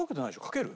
かける？